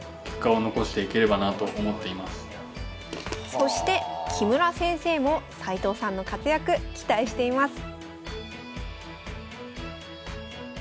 そして木村先生も齊藤さんの活躍期待しています。